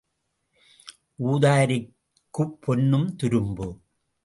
ஊதாரிக்குப் பொன்னும் துரும்பு.